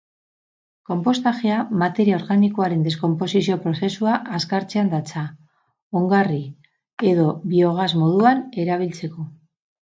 Konpostajea materia organikoaren deskonposizio prozesua azkartzean datza, ongarri edo biogas moduan erabiltzeko.